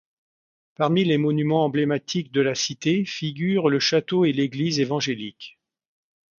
Parmi les monuments emblématiques de la cité figurent le château et l'église évangélique.